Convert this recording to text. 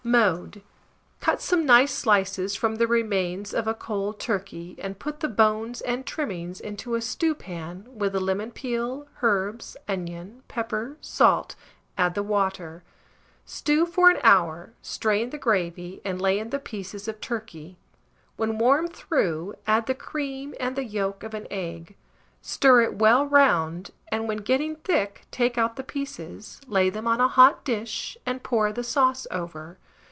Mode. Cut some nice slices from the remains of a cold turkey, and put the bones and trimmings into a stewpan, with the lemon peel, herbs, onion, pepper, salt, add the water; stew for an hour, strain the gravy, and lay in the pieces of turkey. When warm through, add the cream and the yolk of an egg; stir it well round, and, when getting thick, take out the pieces, lay them on a hot dish, and pour the sauce over.